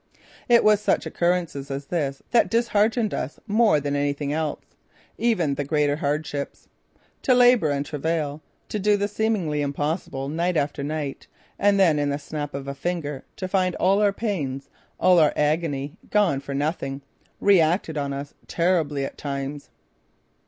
It was such occurrences as this that disheartened us more than anything else, even the great hardships. To labor and travail, to do the seemingly impossible, night after night and then in the snap of a finger to find all our pains, all our agony gone for nothing, reacted on us terribly at times.